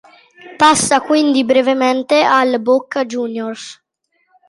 Passa quindi brevemente al Boca Juniors.